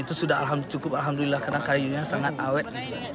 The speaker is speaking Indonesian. itu sudah alhamdulillah cukup alhamdulillah karena kayunya sangat awet